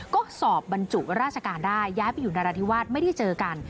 ก็สอบบรรจุราชการได้ย้ายไปอยู่นาราธิวาสไม่ได้เจอกัน